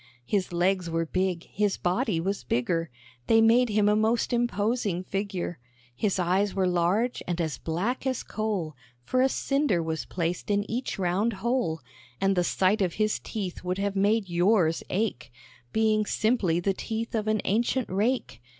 His legs were big, his body was bigger, They made him a most imposing figure; His eyes were large and as black as coal, For a cinder was placed in each round hole. And the sight of his teeth would have made yours ache, Being simply the teeth of an ancient rake.